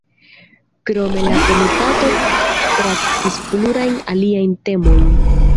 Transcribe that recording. Krome la Komitato traktis plurajn aliajn temojn.